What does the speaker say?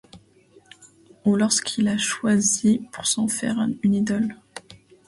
Ou lorsqu’il a choisi pour s’en faire une idole